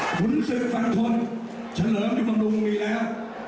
ขุนสื่อฝั่งคนเฉลิมอยู่บำรุงมีแล้ว